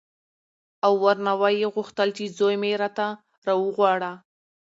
او ورنه ویې غوښتل چې زوی مې راته راوغواړه.